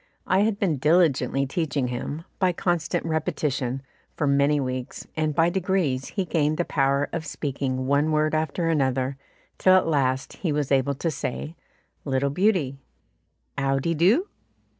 I had been diligently teaching him, by constant repetition, for many weeks, and by degrees he gained the power of speaking one word after another, till at last he was able to say, "Little beauty," "'Ow de doo?"